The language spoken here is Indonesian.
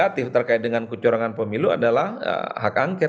negatif terkait dengan kecurangan pemilu adalah hak angket